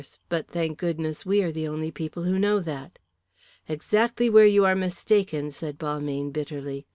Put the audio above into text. But, thank goodness, we are the only people who know that." "Exactly where you are mistaken," said Balmayne, bitterly.